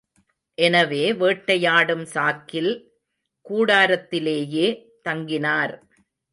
எனவே வேட்டையாடும் சாக்கில் கூடாரத்திலேயே தங்கினார்.